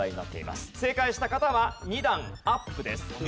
正解した方は２段アップです。